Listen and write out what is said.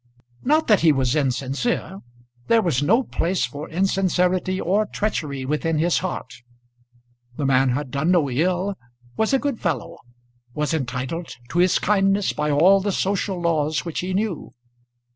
Not that he was insincere. There was no place for insincerity or treachery within his heart. The man had done no ill, was a good fellow was entitled to his kindness by all the social laws which he knew.